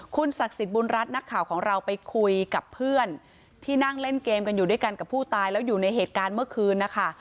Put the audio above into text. คุณศักดิ์สิทธิ์บุญรัฐนักข่าวของเราไปคุยกับเพื่อนที่นั่งเล่นเกมกันอยู่ด้วยกันกับผู้ตายแล้วอยู่ในเหตุการณ์เมื่อคืนนะคะ